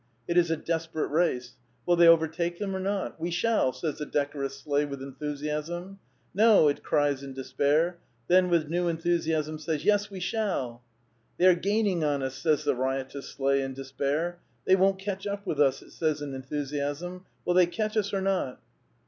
It is a des|)erate race. Will they overtake them or not? ^* We shall," says the decorous sleigh with enthusiasm. ^* No," it cries in despair ; then, with new enthusiasm says, '"Yes, we shall. "*' They are gaining on ns," says the riotous sleigh in despair. They won't catch up with us," it says in enthu siasm. " Will thev catch us or not?